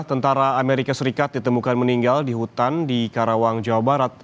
tentara amerika serikat ditemukan meninggal di hutan di karawang jawa barat